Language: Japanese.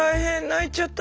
泣いちゃった。